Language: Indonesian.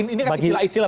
ini kan istilah istilah